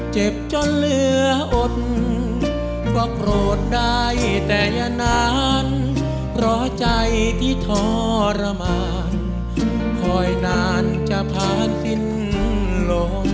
เจ็บจนเหลืออดก็โกรธได้แต่อย่านานเพราะใจที่ทรมานคอยนานจะผ่านสิ้นลม